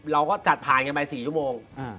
เราก็จัดผ่านกันไป๔ชั่วโมง